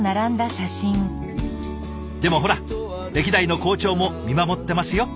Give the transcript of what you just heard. でもほら歴代の校長も見守ってますよ。